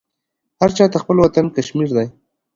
هر چا ته خپل وطن کشمیر دی.